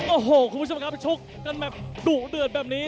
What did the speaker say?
โอ้โหคุณผู้ชมครับชกกันแบบดุเดือดแบบนี้